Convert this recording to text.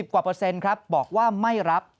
กว่าเปอร์เซ็นต์ครับบอกว่าไม่รับ